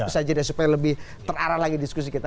supaya lebih terarah lagi diskusi kita